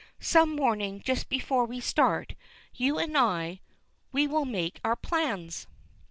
"Some morning just before we start, you and I, we will make our plans."